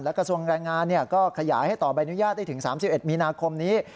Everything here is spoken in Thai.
กระทรวงแรงงานก็ขยายให้ต่อใบอนุญาตได้ถึง๓๑มีนาคมนี้